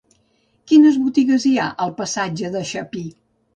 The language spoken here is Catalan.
Quines botigues hi ha al passatge de Chapí?